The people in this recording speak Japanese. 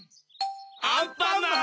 ・アンパンマン！